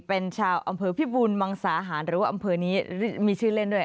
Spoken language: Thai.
เป็นชาวอำเภอพิบูลมังสาหารหรือว่าอำเภอนี้มีชื่อเล่นด้วย